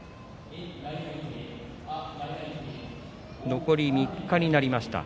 残り３日になりました。